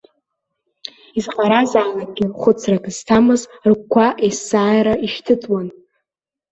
Изаҟаразаалакгьы хәыцрак зҭамыз рыгәқәа есааира ишьҭыҵуан.